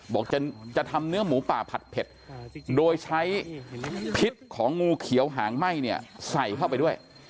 บอกจะทำเนื้อหมูป่าผัดเผ็ดโดยใช้พิษของงูเขียวหางไหม้เนี่ยใส่เข้าไปด้วย